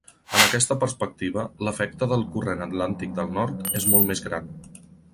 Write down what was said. En aquesta perspectiva, l'efecte del Corrent Atlàntic Del nord és molt més gran.